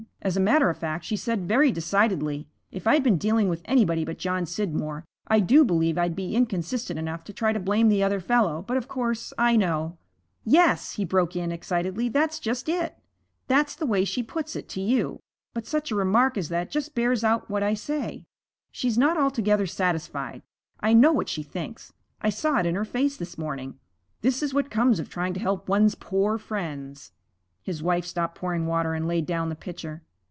As a matter of fact she said very decidedly, "If I'd been dealing with anybody but John Scidmore, I do believe I'd be inconsistent enough to try to blame the other fellow, but of course I know " 'Yes,' he broke in excitedly, 'that's just it. That's the way she puts it, to you. But such a remark as that just bears out what I say she's not altogether satisfied. I know what she thinks; I saw it in her face this morning this is what comes of trying to help one's poor friends.' His wife stopped pouring water and laid down the pitcher.